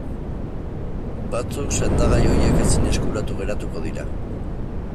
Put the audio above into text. Batzuk sendagai horiek ezin eskuratu geratuko dira.